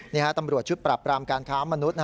นี่ค่ะตำรวจชุดปรับรามการค้าวมนุษย์